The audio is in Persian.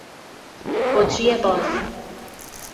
بطری باز